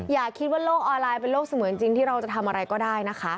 อย่าคิดว่าโลกออนไลน์เป็นโลกเสมือนจริงที่เราจะทำอะไรก็ได้นะคะ